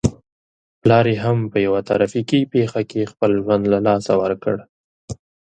پلار يې هم په يوه ترافيکي پېښه کې خپل ژوند له لاسه ور کړ.